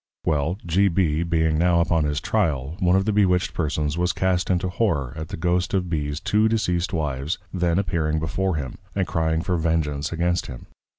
Well, G. B. being now upon his Tryal, one of the Bewitched Persons was cast into Horror at the Ghost of B's two Deceased Wives then appearing before him, and crying for Vengeance against him.